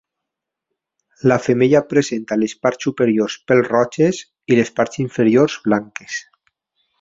La femella presenta les parts superior pèl roges i les parts inferiors blanques.